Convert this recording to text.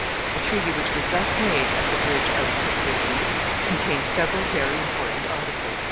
The treaty which was thus made at the bridge of Picquigny contained several very important articles.